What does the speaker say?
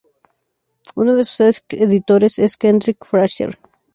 Uno de sus ex editores es Kendrick Frazier.